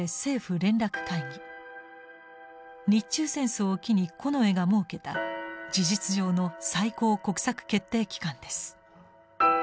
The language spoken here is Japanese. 日中戦争を機に近衛が設けた事実上の最高国策決定機関です。